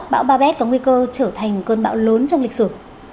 bão babet có nguy cơ trở thành cơn bão lớn trong lịch sử